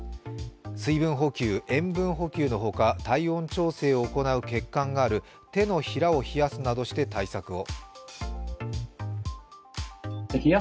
水分補給、塩分補給のほか、体温調整を行う血管がある手のひらを冷やすなどして対策を。